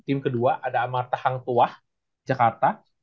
tim kedua ada amartahang tuwah jakarta